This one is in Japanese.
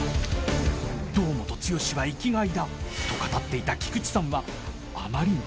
［堂本剛は生きがいだと語っていた菊池さんは］